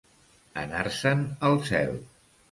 Anar-se'n al cel.